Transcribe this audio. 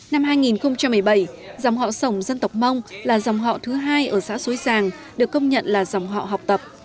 năm hai nghìn một mươi bảy dòng họ sổng dân tộc mông là dòng họ thứ hai ở xã xối giàng được công nhận là dòng họ học tập